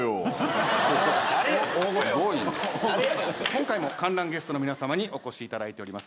今回も観覧ゲストの皆さまにお越しいただいております。